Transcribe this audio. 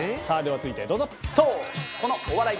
続いてどうぞ。